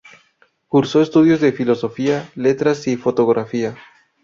Cursó estudios de filosofía, letras y fotografía.